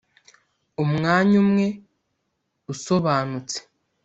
umwanya umwe usobanutse,